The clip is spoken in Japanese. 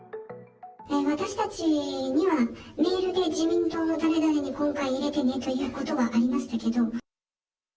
私たちには、メールで自民党の誰々に今回入れてねということはありましたけど。